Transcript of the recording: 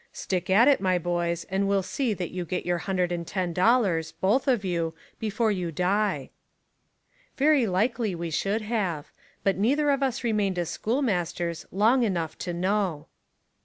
Stick at it, my boys, and we'll see that you get your hundred and ten dollars, both of you, before you die." Very likely we should have. But neither of us remained as schoolmasters long enough to know.